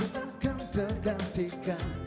aku takkan tergantikan